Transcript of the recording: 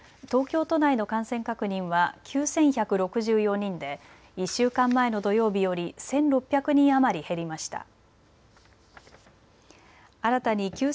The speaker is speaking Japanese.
東京都内の感染確認は９１６４人で１週間前の土曜日より１６００人余り減りました。